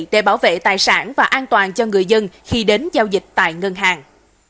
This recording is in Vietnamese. để bảo vệ tài sản và an toàn cho người dân khi đến giao dịch tại ngân hàng